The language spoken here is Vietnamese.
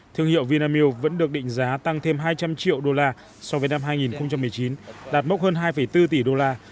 thương hiệu vinamilk vẫn được định giá tăng thêm hai trăm linh triệu đô la so với năm hai nghìn một mươi chín đạt mốc hơn hai bốn tỷ đô la